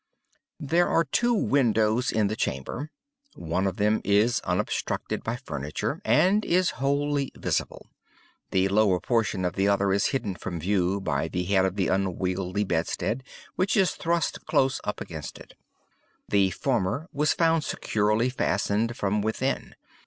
"There are two windows in the chamber. One of them is unobstructed by furniture, and is wholly visible. The lower portion of the other is hidden from view by the head of the unwieldy bedstead which is thrust close up against it. The former was found securely fastened from within.